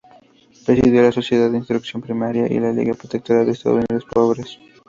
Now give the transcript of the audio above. Presidió la Sociedad de Instrucción Primaria y la Liga Protectora de Estudiantes Pobres.